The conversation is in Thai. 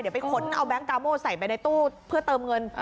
เดี๋ยวไปขนเอาแก๊งกาโม่ใส่ไปในตู้เพื่อเติมเงิน